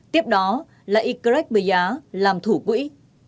tiếp đó là y greg bìa làm thủ quỹ